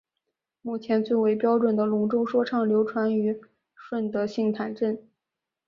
目前最为标准的龙舟说唱流传于顺德杏坛镇。